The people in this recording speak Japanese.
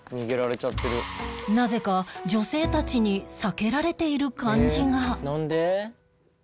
なぜか女性たちに避けられている感じが